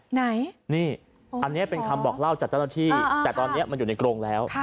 ไหนนี่อันนี้เป็นคำบอกเล่าจากเจ้าหน้าที่แต่ตอนนี้มันอยู่ในกรงแล้ว